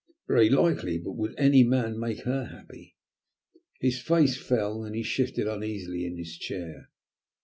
"Very likely, but would any man make her happy?" His face fell, and he shifted uneasily in his chair.